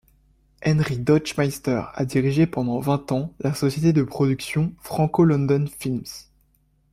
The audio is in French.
Henry Deutschmeister a dirigé pendant vingt ans la société de production Franco-London-Films.